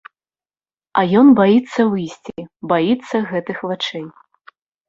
А ён баіцца выйсці, баіцца гэтых вачэй.